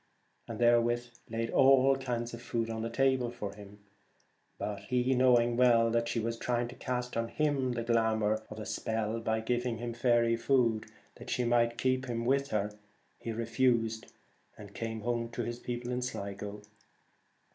and therewith laid all kinds of food on the table ; but he, knowing well that she was trying to cast on him the glamour by giving him faery food, that she might keep him with her, refused and came home to his people in Sligo.